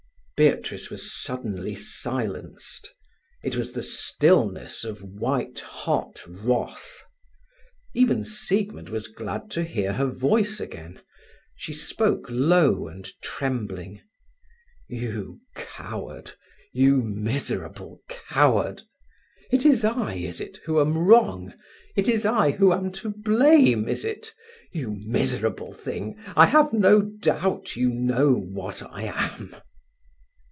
Beatrice was suddenly silenced. It was the stillness of white hot wrath. Even Siegmund was glad to hear her voice again. She spoke low and trembling. "You coward—you miserable coward! It is I, is it, who am wrong? It is I who am to blame, is it? You miserable thing! I have no doubt you know what I am."